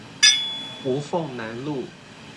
吳鳳南路